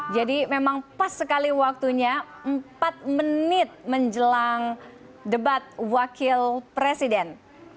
jadi memang pas sekali waktunya empat menit menjelang debat wakil presiden